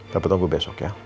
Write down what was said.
dapat tunggu besok ya